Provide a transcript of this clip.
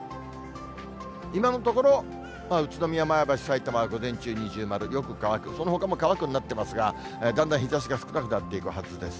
今のところ、宇都宮、前橋、さいたまは午前中、二重丸、よく乾く、そのほかも乾くになってますが、だんだん日ざしが少なくなっていくはずです。